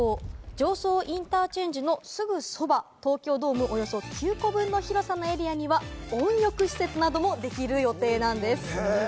常総インターチェンジのすぐそば、東京ドームおよそ９個分の広さのエリアには温浴施設などもできる予定なんです。